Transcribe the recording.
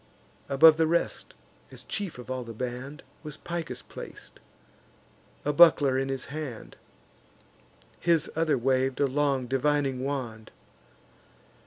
Above the rest, as chief of all the band, Was Picus plac'd, a buckler in his hand; His other wav'd a long divining wand.